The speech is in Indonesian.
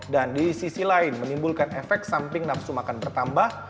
dan di sisi lain menimbulkan efek samping nafsu makan bertambah